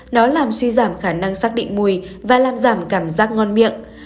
nó làm suy giảm khả năng xác định mùi và làm giảm cảm giác ngon miệng